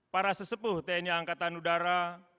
para sesepuh tni angkatan udara